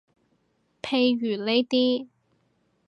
譬如呢啲